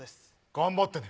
頑張ってね。